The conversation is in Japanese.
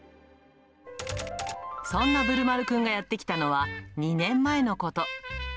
そんなぶるまるくんがやって来たのは、２年前のこと。